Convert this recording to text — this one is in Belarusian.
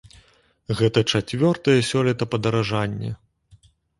Гэта чацвёртае сёлета падаражанне.